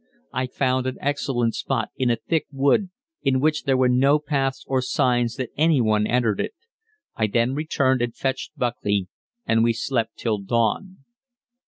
I found an excellent spot in a thick wood, in which there were no paths or signs that any one entered it. I then returned and fetched Buckley, and we slept till dawn.